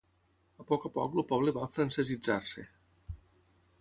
A poc a poc el poble va francesitzar-se.